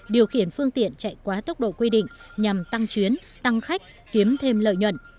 điều khiển phương tiện chạy quá tốc độ quy định nhằm tăng chuyến tăng khách kiếm thêm lợi nhuận